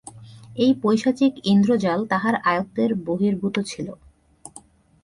এই পৈশাচিক ইন্দ্রজাল তাহার আয়ত্তের বহির্ভূত ছিল।